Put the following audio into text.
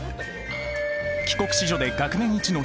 帰国子女で学年一の秀才。